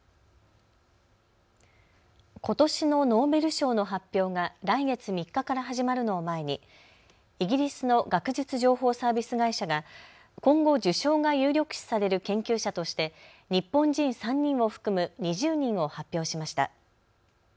ことしのノーベル賞の発表が来月３日から始まるのを前にイギリスの学術情報サービス会社が今後、受賞が有力視される研究者として日本人３人を含む２０人を発表しました。